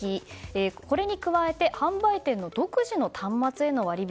これに加えて販売店の独自の端末への割引